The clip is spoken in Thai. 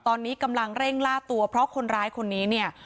ตอนนี้กำลังเร่งล่าตัวเพราะคนร้ายคนนี้เนี่ย